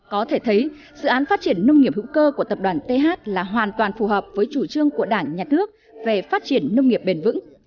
có thể thấy dự án phát triển nông nghiệp hữu cơ của tập đoàn th là hoàn toàn phù hợp với chủ trương của đảng nhà nước về phát triển nông nghiệp bền vững